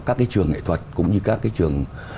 các cái trường nghệ thuật cũng như các cái trường